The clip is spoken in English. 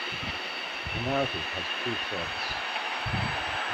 The narrative has two threads.